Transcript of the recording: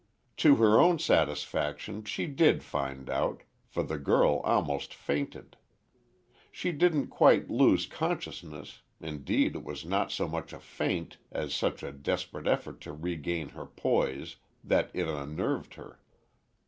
To her own satisfaction she did find out, for the girl almost fainted. She didn't quite lose consciousness, indeed it was not so much a faint as such a desperate effort to regain her poise, that it unnerved her.